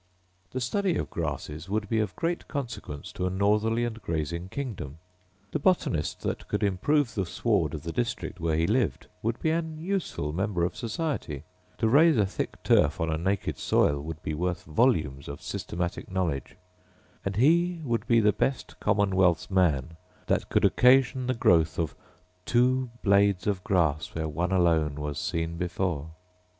The study of grasses would be of great consequence to a northerly and grazing kingdom. The botanist that could improve the sward of the district where he lived would be an useful member of society; to raise a thick turf on a naked soil would be worth volumes of systematic knowledge; and he would be the best commonwealth's man that could occasion the growth of 'two blades of grass where one alone was seen before.